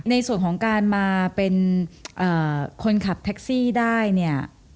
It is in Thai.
ในส่วนของการมาเป็นคนขับแท็กซี่ได้เนี่ย